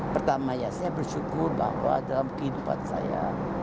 pertama ya saya bersyukur bahwa dalam kehidupan saya